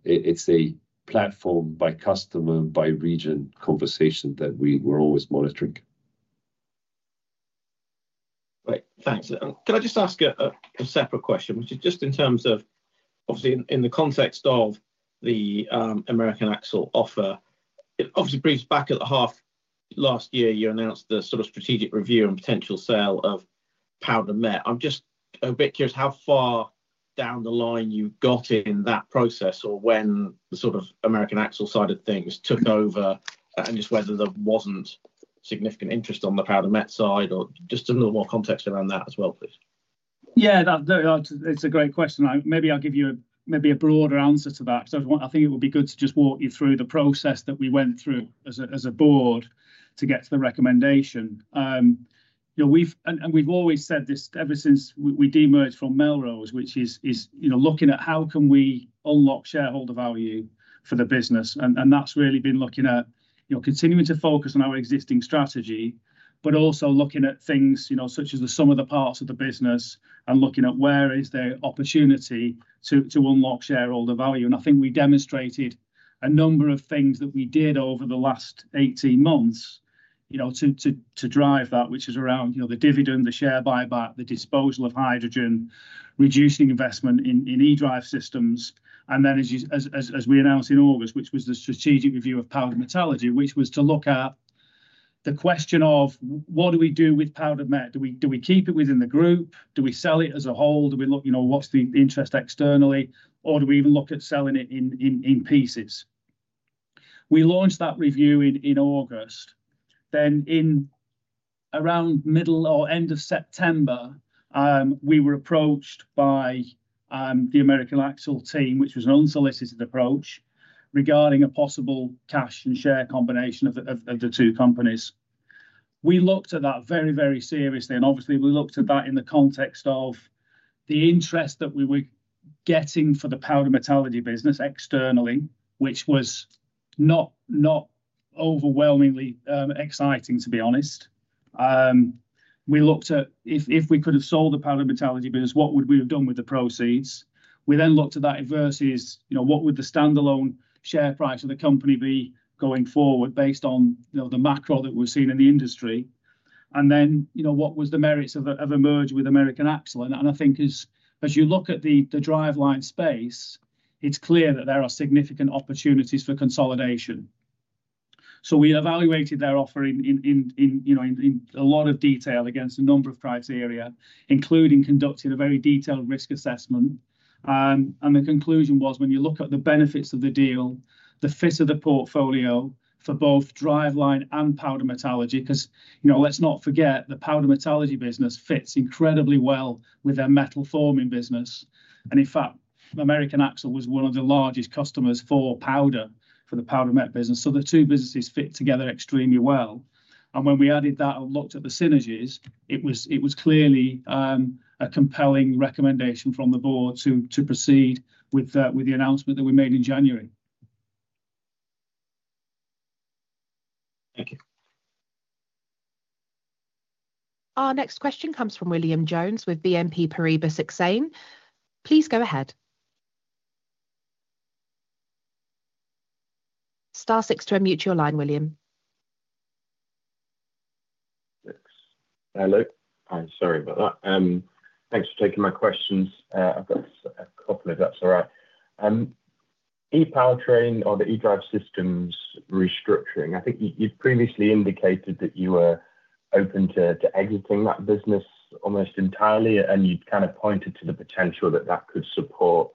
it's a platform by customer, by region conversation that we were always monitoring. Right. Thanks. Can I just ask a separate question, which is just in terms of, obviously, in the context of the American Axle offer? It obviously brings back at the half last year, you announced the sort of strategic review and potential sale of Powder Met. I'm just a bit curious how far down the line you got in that process or when the sort of American Axle side of things took over and just whether there wasn't significant interest on the Powder Met side or just a little more context around that as well, please. Yeah, it's a great question. Maybe I'll give you maybe a broader answer to that. I think it would be good to just walk you through the process that we went through as a board to get to the recommendation. We've always said this ever since we de-merged from Melrose, which is looking at how can we unlock shareholder value for the business. That has really been looking at continuing to focus on our existing strategy, but also looking at things such as the sum of the parts of the business and looking at where is there opportunity to unlock shareholder value. I think we demonstrated a number of things that we did over the last 18 months to drive that, which is around the dividend, the share buyback, the disposal of hydrogen, reducing investment in e-drive systems. As we announced in August, which was the strategic review of Powder Metallurgy, that was to look at the question of, what do we do with Powder Met? Do we keep it within the group? Do we sell it as a whole? Do we look at what is the interest externally? Or do we even look at selling it in pieces? We launched that review in August. Around middle or end of September, we were approached by the American Axle team, which was an unsolicited approach regarding a possible cash and share combination of the two companies. We looked at that very, very seriously. Obviously, we looked at that in the context of the interest that we were getting for the Powder Metallurgy business externally, which was not overwhelmingly exciting, to be honest. We looked at if we could have sold the Powder Metallurgy business, what would we have done with the proceeds? We then looked at that versus what would the standalone share price of the company be going forward based on the macro that we've seen in the industry. What were the merits of a merger with American Axle? I think as you look at the driveline space, it's clear that there are significant opportunities for consolidation. We evaluated their offering in a lot of detail against a number of criteria, including conducting a very detailed risk assessment. The conclusion was, when you look at the benefits of the deal, the fit of the portfolio for both Driveline and Powder Metallurgy because let's not forget, the Powder Metallurgy business fits incredibly well with their metal forming business. In fact, American Axle was one of the largest customers for the Powder Met business. The two businesses fit together extremely well. When we added that and looked at the synergies, it was clearly a compelling recommendation from the board to proceed with the announcement that we made in January. Thank you. Our next question comes from William Jones with BNP Paribas Exane. Please go ahead. Star 62M, mute your line, William. Hello. Sorry about that. Thanks for taking my questions. I've got a couple of that's all right. E-Powertrain or the e-drive systems restructuring, I think you've previously indicated that you were open to exiting that business almost entirely, and you kind of pointed to the potential that that could support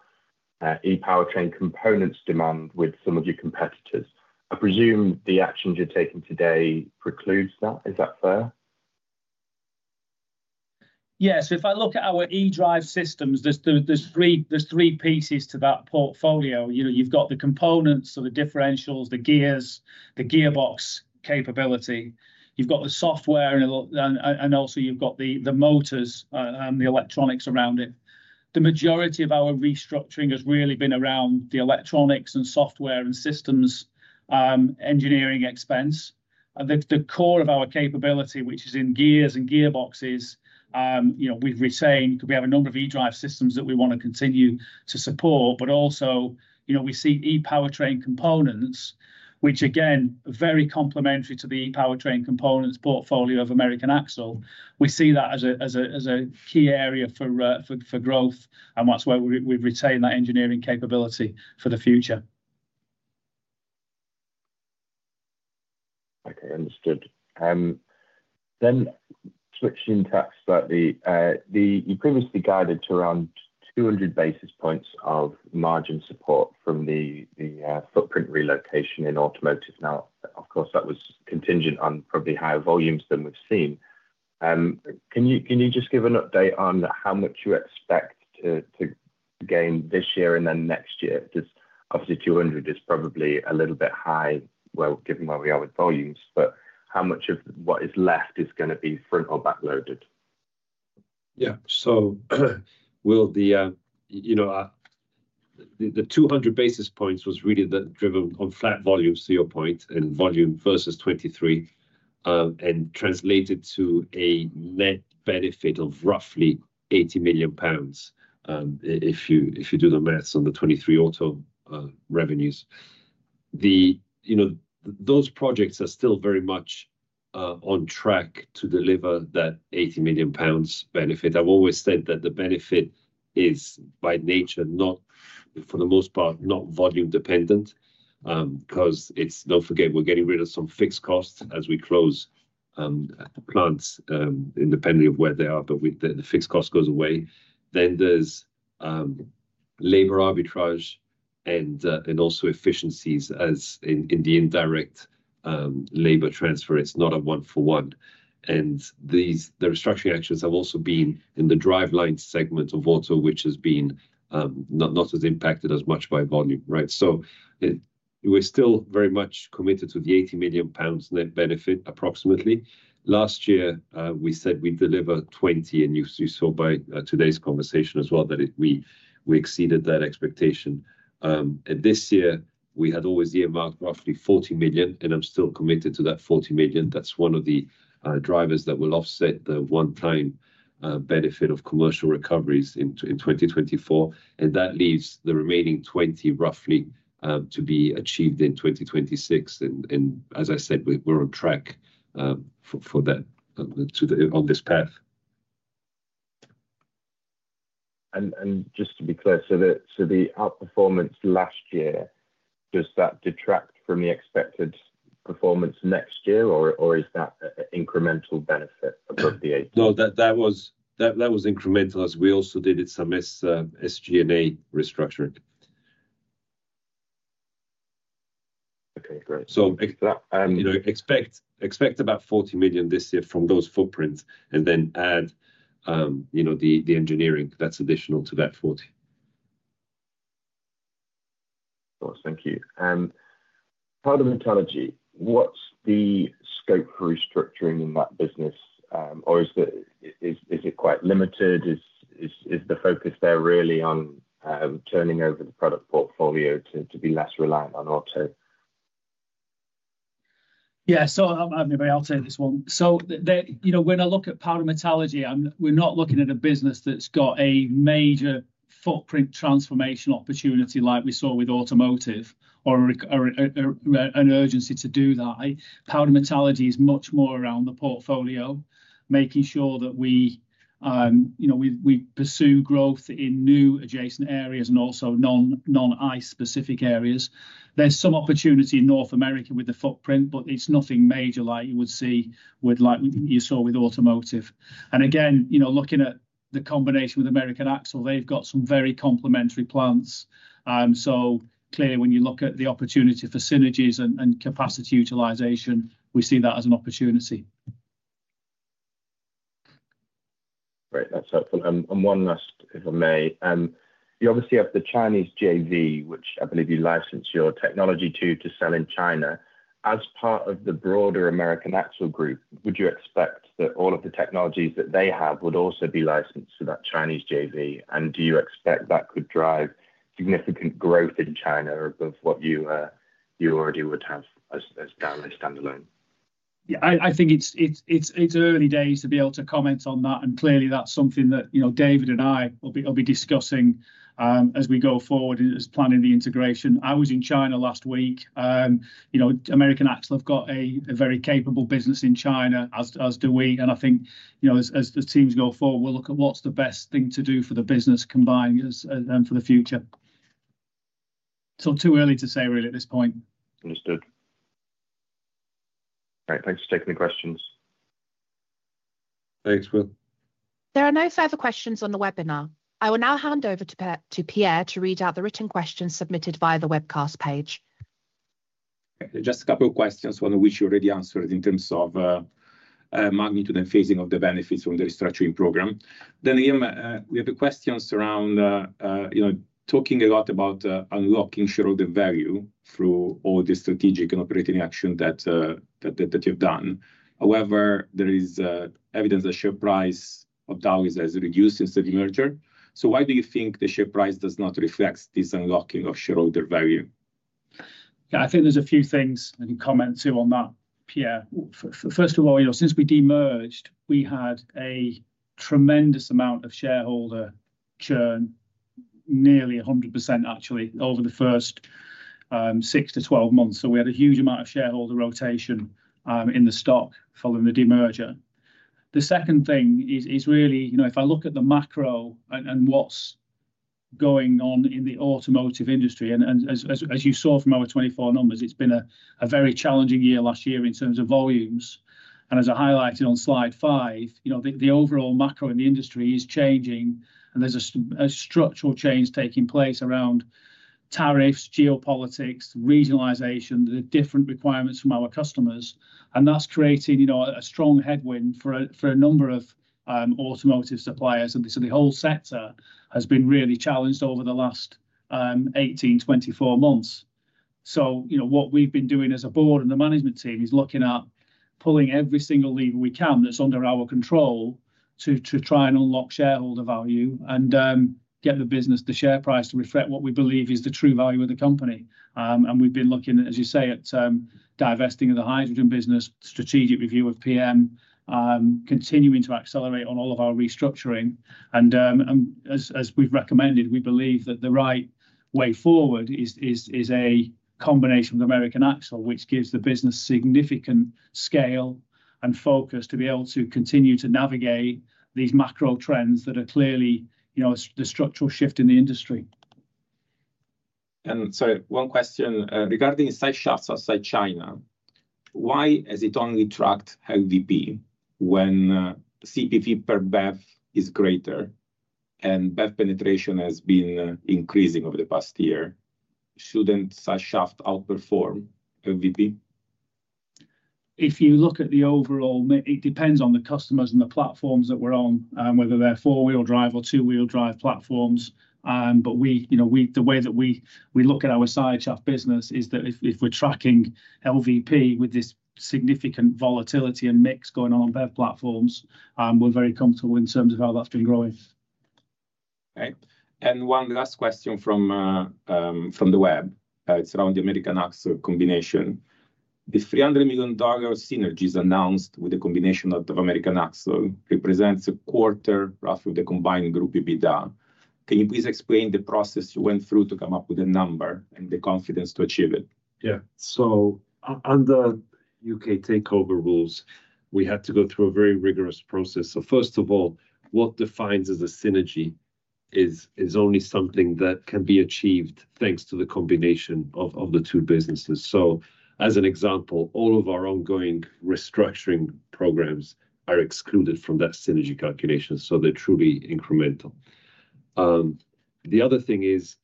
e-Powertrain components demand with some of your competitors. I presume the actions you're taking today precludes that. Is that fair? Yeah. If I look at our e-drive systems, there's three pieces to that portfolio. You've got the components, so the differentials, the gears, the gearbox capability. You've got the software, and also you've got the motors and the electronics around it. The majority of our restructuring has really been around the electronics and software and systems engineering expense. The core of our capability, which is in gears and gearboxes, we've retained because we have a number of e-drive systems that we want to continue to support, but also we see ePowerTrain components, which, again, are very complementary to the ePowerTrain components portfolio of American Axle. We see that as a key area for growth, and that's where we've retained that engineering capability for the future. Okay. Understood. Switching to that slightly, you previously guided to around 200 basis points of margin support from the footprint relocation in automotive. Now, of course, that was contingent on probably higher volumes than we've seen. Can you just give an update on how much you expect to gain this year and then next year? Obviously, 200 is probably a little bit high given where we are with volumes, but how much of what is left is going to be front or backloaded? Yeah. The 200 basis points was really driven on flat volumes, to your point, and volume versus 2023, and translated to a net benefit of roughly 80 million pounds if you do the maths on the 2023 auto revenues. Those projects are still very much on track to deliver that 80 million pounds benefit. I've always said that the benefit is by nature, for the most part, not volume dependent because do not forget, we're getting rid of some fixed costs as we close plants independently of where they are, but the fixed cost goes away. There is labor arbitrage and also efficiencies in the indirect labor transfer. It's not a one-for-one. The restructuring actions have also been in the Driveline segment of auto, which has not been as impacted as much by volume, right? We are still very much committed to the 80 million pounds net benefit, approximately. Last year, we said we would deliver 20, and you saw by today's conversation as well that we exceeded that expectation. This year, we had always earmarked roughly 40 million, and I am still committed to that 40 million. That is one of the drivers that will offset the one-time benefit of commercial recoveries in 2024. That leaves the remaining 20 roughly to be achieved in 2026. As I said, we are on track for that on this path. Just to be clear, does the outperformance last year detract from the expected performance next year, or is that an incremental benefit above the 80? No, that was incremental as we also did it, submits SG&A restructuring. Okay. Great. So expect about 40 million this year from those footprints and then add the engineering. That's additional to that 40. Thank you. Powder Metallurgy, what's the scope for restructuring in that business, or is it quite limited? Is the focus there really on turning over the product portfolio to be less reliant on auto? Yeah. I'll take this one. When I look at Powder Metallurgy, we're not looking at a business that's got a major footprint transformation opportunity like we saw with automotive or an urgency to do that. Powder Metallurgy is much more around the portfolio, making sure that we pursue growth in new adjacent areas and also non-ICE-specific areas. There's some opportunity in North America with the footprint, but it's nothing major like you would see with what you saw with automotive. Again, looking at the combination with American Axle, they've got some very complementary plants. Clearly, when you look at the opportunity for synergies and capacity utilization, we see that as an opportunity. Great. That's helpful. One last, if I may, you obviously have the Chinese JV, which I believe you licensed your technology to sell in China. As part of the broader American Axle group, would you expect that all of the technologies that they have would also be licensed to that Chinese JV? Do you expect that could drive significant growth in China above what you already would have as standalone? Yeah. I think it's early days to be able to comment on that. Clearly, that's something that David and I will be discussing as we go forward as planning the integration. I was in China last week. American Axle have got a very capable business in China, as do we. I think as the teams go forward, we'll look at what's the best thing to do for the business combined for the future. Too early to say really at this point. Understood. All right. Thanks for taking the questions. Thanks, Will. There are no further questions on the webinar. I will now hand over to Pierre to read out the written questions submitted via the webcast page. Just a couple of questions, one of which you already answered in terms of magnitude and phasing of the benefits from the restructuring program. We have questions around talking a lot about unlocking shareholder value through all the strategic and operating action that you've done. However, there is evidence that share price of Dowlais Group is reduced instead of merger. Why do you think the share price does not reflect this unlocking of shareholder value? Yeah. I think there's a few things I can comment too on that, Pierre. First of all, since we de-merged, we had a tremendous amount of shareholder churn, nearly 100% actually, over the first 6 to 12 months. We had a huge amount of shareholder rotation in the stock following the de-merger. The second thing is really, if I look at the macro and what's going on in the automotive industry, and as you saw from our 2024 numbers, it's been a very challenging year last year in terms of volumes. As I highlighted on slide five, the overall macro in the industry is changing, and there is a structural change taking place around tariffs, geopolitics, regionalization, the different requirements from our customers. That is creating a strong headwind for a number of automotive suppliers. The whole sector has been really challenged over the last 18-24 months. What we have been doing as a board and the management team is looking at pulling every single lever we can that is under our control to try and unlock shareholder value and get the business, the share price to reflect what we believe is the true value of the company. We have been looking, as you say, at divesting of the hydrogen business, strategic review of PM, continuing to accelerate on all of our restructuring. As we've recommended, we believe that the right way forward is a combination with American Axle, which gives the business significant scale and focus to be able to continue to navigate these macro trends that are clearly the structural shift in the industry. One question regarding such shocks outside China, why has it only tracked LVP when CPV per BEV is greater and BEV penetration has been increasing over the past year? Shouldn't such shocks outperform LVP? If you look at the overall, it depends on the customers and the platforms that we're on, whether they're four-wheel drive or two-wheel drive platforms. The way that we look at our side shaft business is that if we're tracking LVP with this significant volatility and mix going on on BEV platforms, we're very comfortable in terms of how that's been growing. Okay. One last question from the web. It's around the American Axle combination. The $300 million synergies announced with the combination of American Axle represents a quarter roughly of the combined group you bid on. Can you please explain the process you went through to come up with a number and the confidence to achieve it? Yeah. Under U.K. takeover rules, we had to go through a very rigorous process. First of all, what defines as a synergy is only something that can be achieved thanks to the combination of the two businesses. As an example, all of our ongoing restructuring programs are excluded from that synergy calculation, so they're truly incremental. The other thing is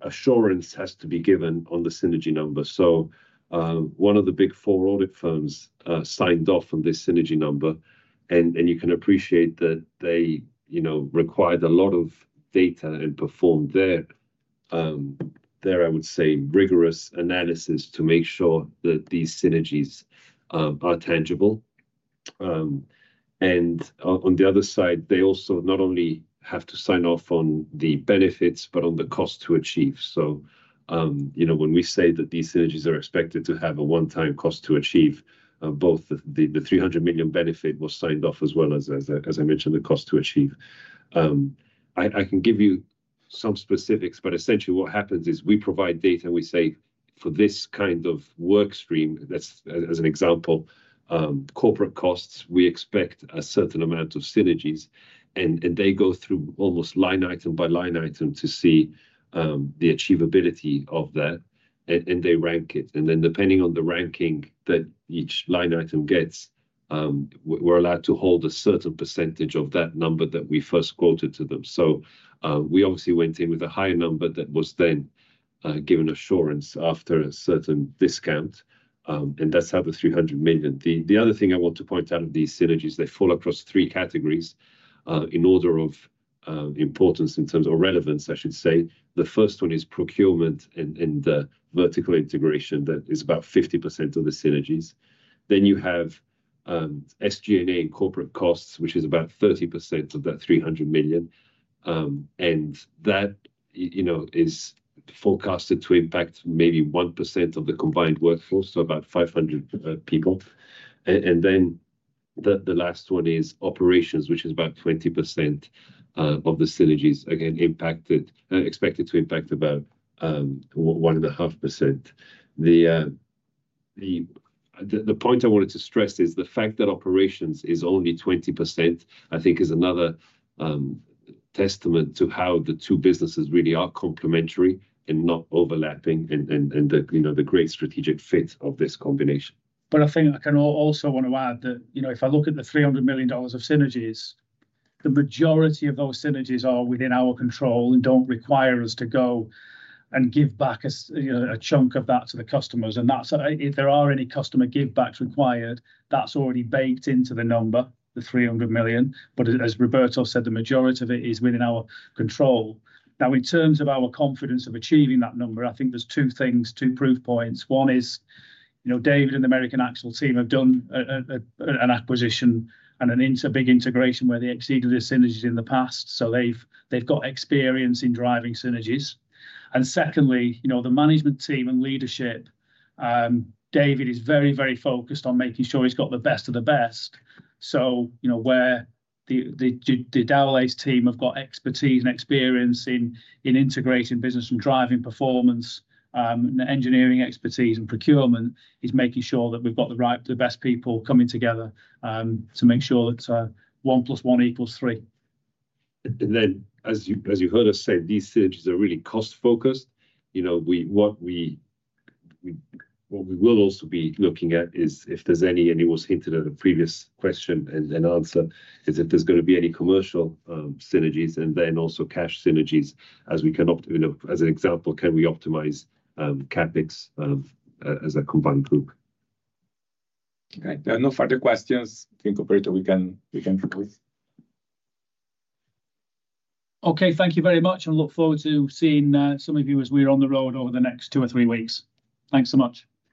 assurance has to be given on the synergy number. One of the big four audit firms signed off on this synergy number, and you can appreciate that they required a lot of data and performed their, I would say, rigorous analysis to make sure that these synergies are tangible. On the other side, they also not only have to sign off on the benefits, but on the cost to achieve. When we say that these synergies are expected to have a one-time cost to achieve, both the $300 million benefit was signed off as well as, as I mentioned, the cost to achieve. I can give you some specifics, but essentially what happens is we provide data and we say for this kind of workstream, as an example, corporate costs, we expect a certain amount of synergies. They go through almost line item by line item to see the achievability of that, and they rank it. Depending on the ranking that each line item gets, we're allowed to hold a certain percentage of that number that we first quoted to them. We obviously went in with a higher number that was then given assurance after a certain discount. That is how the $300 million. The other thing I want to point out of these synergies, they fall across three categories in order of importance in terms of relevance, I should say. The first one is procurement and the vertical integration that is about 50% of the synergies. Then you have SG&A and corporate costs, which is about 30% of that $300 million. That is forecasted to impact maybe 1% of the combined workforce, so about 500 people. The last one is operations, which is about 20% of the synergies, again, expected to impact about 1.5%. The point I wanted to stress is the fact that operations is only 20%, I think, is another testament to how the two businesses really are complementary and not overlapping and the great strategic fit of this combination. I also want to add that if I look at the $300 million of synergies, the majority of those synergies are within our control and do not require us to go and give back a chunk of that to the customers. If there are any customer give-backs required, that is already baked into the number, the $300 million. As Roberto said, the majority of it is within our control. Now, in terms of our confidence of achieving that number, I think there are two things, two proof points. One is David and the American Axle team have done an acquisition and a big integration where they exceeded the synergies in the past. They have got experience in driving synergies. Secondly, the management team and leadership, David is very, very focused on making sure he has got the best of the best. Where the Dowlais team have got expertise and experience in integrating business and driving performance, engineering expertise, and procurement is making sure that we have got the best people coming together to make sure that one plus one equals three. As you heard us say, these synergies are really cost-focused. What we will also be looking at is if there is any, and it was hinted at a previous question and answer, if there is going to be any commercial synergies and also cash synergies, as we can opt in. As an example, can we optimize CapEx as a combined group? Okay. There are no further questions. I think, Roberto, we can proceed. Okay. Thank you very much. I look forward to seeing some of you as we're on the road over the next two or three weeks. Thanks so much.